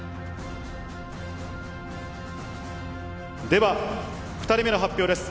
では、２人目の発表です。